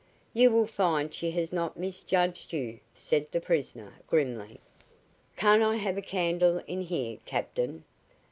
"You will find she has not misjudged you," said the prisoner, grimly. "Can't I have a candle in here, captain?"